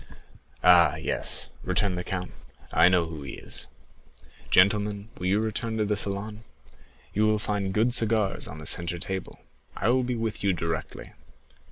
"Ah! yes," returned the count, "I know who he is, gentlemen; will you return to the salon? you will find good cigars on the centre table. I will be with you directly."